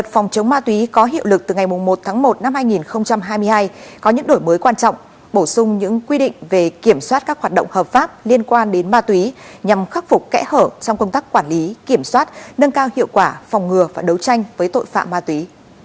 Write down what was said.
phòng chống ma túy có hiệu lực từ ngày một tháng một năm hai nghìn hai mươi hai có những đổi mới quan trọng bổ sung những quy định về kiểm soát các hoạt động hợp pháp liên quan đến ma túy nhằm khắc phục kẽ hở trong công tác quản lý kiểm soát nâng cao hiệu quả phòng ngừa và đấu tranh với tội phạm ma túy